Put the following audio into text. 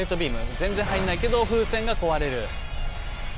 全然入んないけど風船が壊れる。